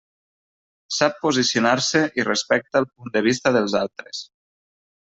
Sap posicionar-se i respecta el punt de vista dels altres.